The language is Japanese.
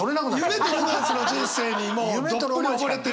夢とロマンスの人生にもうどっぷり溺れてる？